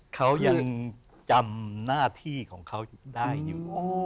เขายังจำหน้าที่ของเขาได้อยู่